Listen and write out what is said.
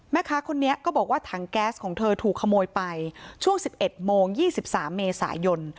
แม่ค้าคนนี้ก็บอกว่าถังแก๊สของเธอถูกขโมยไปช่วง๑๑โมง๒๓เมษายน